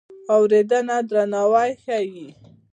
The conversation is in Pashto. اورېدنه درناوی ښيي.